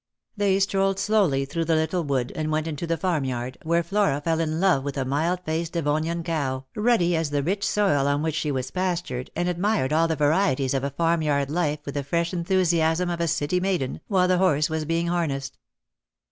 146 Lost for Love. They strolled slowly through the little wood and went into the farmyard, where Flora fell in love with a mild faced Devonian cow, ruddy as the rich soil on which she was pas tured, and admired all the varieties of a farmyard life with the fresh enthusiasm of a city maiden, while the horse was being harnessed.